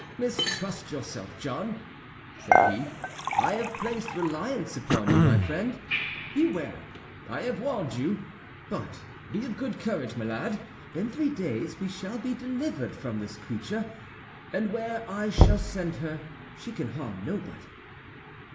"Mistrust yourself, John," said he. "I have placed reliance upon you, my friend. Beware! I have warned you! But be of good courage, my lad; in three days we shall be delivered from this creature, and where I shall send her she can harm nobody."